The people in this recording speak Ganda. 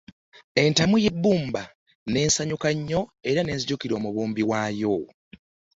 Entamu y'ebbumba n'esanyuka nnyo era n'ejjukira omubumbi waayo.